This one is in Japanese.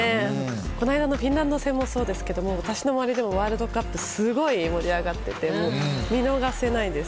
この間のフィンランド戦もそうですけど私の周りでもワールドカップすごい盛り上がってて見逃せないです。